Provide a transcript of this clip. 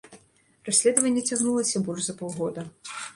Расследаванне цягнулася больш за паўгода.